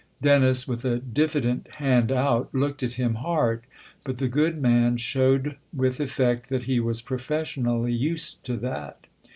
Dennis, with a diffident hand cfut, looked at him hard ; but the good man showed with effect that he was professionally used to that.